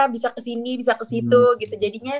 bisa kesini bisa kesitu gitu jadinya